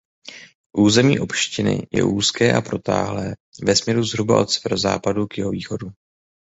Území opštiny je úzké a protáhlé ve směru zhruba od severozápadu k jihovýchodu.